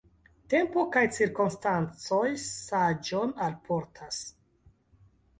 Tempo kaj cirkonstancoj saĝon alportas.